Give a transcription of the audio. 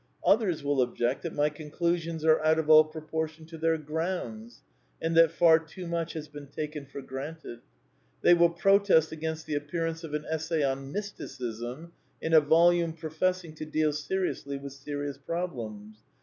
Others will object that my Conclusions are out of all proportion to their grounds, and that far too much has been taken for granted. They will protest against the appearance of an essay on " Mysticism " in a volume professing to deal seriously with serious problems.